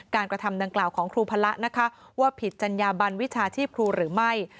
กระทำดังกล่าวของครูพระนะคะว่าผิดจัญญาบันวิชาชีพครูหรือไม่